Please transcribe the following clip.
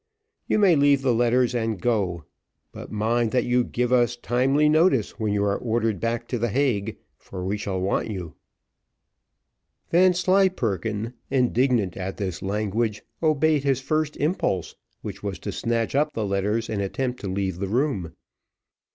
You may leave the letters and go. But mind that you give us timely notice when you are ordered back to the Hague, for we shall want you." Vanslyperken, indignant at this language, obeyed his first impulse, which was to snatch up the letters and attempt to leave the room.